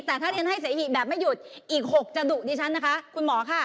แต่ถ้าเรียนให้เสหิแบบไม่หยุดอีก๖จะดุดิฉันนะคะคุณหมอค่ะ